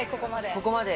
ここまで。